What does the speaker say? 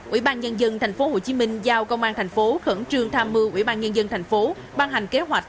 ủy ban nhân dân tp hcm giao công an tp khẩn trương tham mưu ủy ban nhân dân tp ban hành kế hoạch